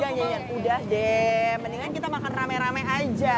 jangan jangan udah deh mendingan kita makan rame rame aja